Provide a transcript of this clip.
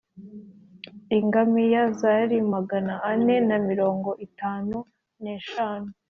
Ingamiya zari magana ane na mirongo itatu n eshanu